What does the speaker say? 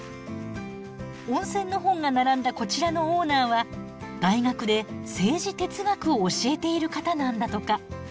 温泉の本が並んだこちらのオーナーは大学で政治哲学を教えている方なんだとか。